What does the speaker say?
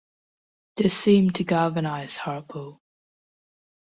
This seemed to galvanise Hartlepool.